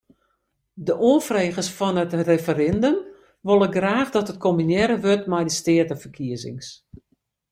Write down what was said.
De oanfregers fan it referindum wolle graach dat it kombinearre wurdt mei de steateferkiezings.